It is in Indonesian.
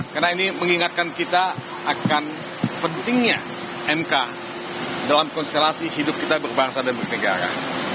karena ini mengingatkan kita akan pentingnya mk dalam konstelasi hidup kita berbangsa dan bernegara